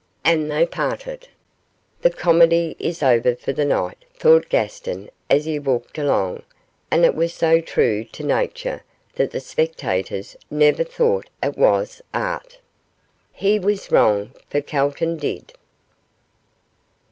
And they parted. 'The comedy is over for the night,' thought Gaston as he walked along, 'and it was so true to nature that the spectators never thought it was art.' He was wrong, for Calton did.